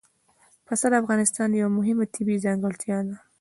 پسه د افغانستان یوه مهمه طبیعي ځانګړتیا ده.